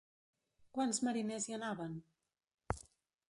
Quants mariners hi anaven?